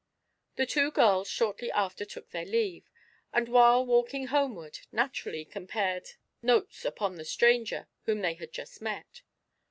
The two girls shortly after took their leave, and while walking homeward naturally compared notes upon the stranger whom they had just met.